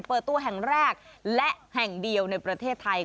เปิดตัวแห่งแรกและแห่งเดียวในประเทศไทย